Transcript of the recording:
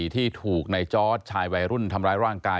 ที่ถูกในจอร์ดชายวัยรุ่นทำร้ายร่างกาย